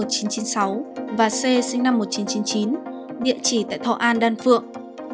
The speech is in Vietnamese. bệnh nhân t sinh năm một nghìn chín trăm chín mươi sáu và c sinh năm một nghìn chín trăm chín mươi chín địa chỉ tại thọ an đan phượng